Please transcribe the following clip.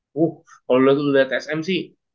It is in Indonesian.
kalau lo tuh liat sm sih